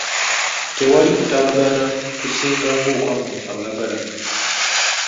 Tewali kutabagana kusinga ng’okwammwe abaagalana.